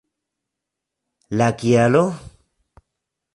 La kialo?